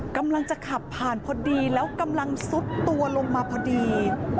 กำลังจะขับผ่านพอดีแล้วกำลังซุดตัวลงมาพอดี